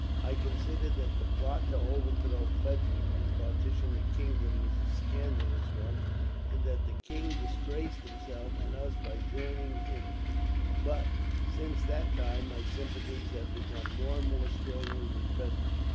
I considered that the plot to overthrow Frederick and partition the kingdom was a scandalous one, and that the king disgraced himself and us by joining in it; but since that time, my sympathies have become more and more strongly with Frederick.